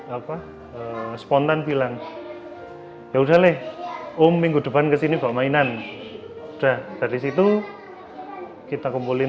apa spontan bilang yaudah deh om minggu depan kesini bawa mainan udah dari situ kita kumpulin